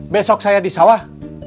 besok saya di sawah